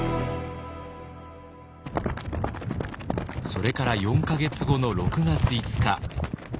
それから４か月後の６月５日。